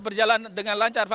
berjalan dengan lancar